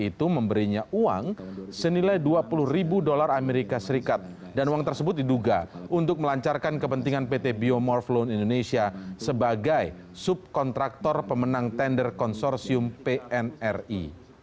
itu memberinya uang senilai dua puluh ribu dolar amerika serikat dan uang tersebut diduga untuk melancarkan kepentingan pt biomorph loan indonesia sebagai subkontraktor pemenang tender konsorsium pnri